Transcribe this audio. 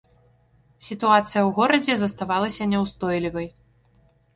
Сітуацыя ў горадзе заставалася няўстойлівай.